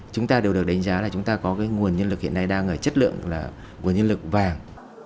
chúng ta đều được đánh giá là chúng ta có cái nguồn nhân lực hiện nay đang ở chất lượng là nguồn nhân lực vàng